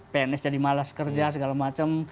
pns jadi malas kerja segala macam